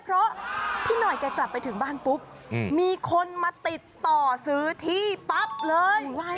เพราะพี่หน่อยแกกลับไปถึงบ้านปุ๊บมีคนมาติดต่อซื้อที่ปั๊บเลย